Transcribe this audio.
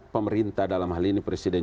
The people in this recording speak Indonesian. pemerintah dalam hal ini presiden